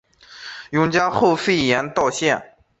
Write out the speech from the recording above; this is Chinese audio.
永嘉后废严道县。